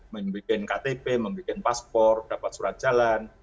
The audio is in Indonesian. membuat ktp membuat paspor dapat surat jalan